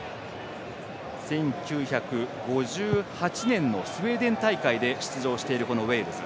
１９５８年のスウェーデン大会で出場しているウェールズ。